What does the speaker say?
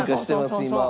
今。